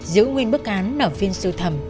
giữ nguyên bức án nở phiên sưu thầm